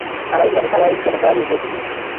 Abayizi bameka abaayitidde mu ddaala eryokubiri?